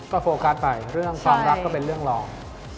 ก็โฟกัสไปเรื่องความรักก็เป็นเรื่องรอง